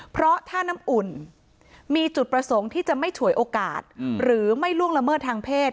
เพราะถ้าน้ำอุ่นมีจุดประสงค์ที่จะไม่ฉวยโอกาสหรือไม่ล่วงละเมิดทางเพศ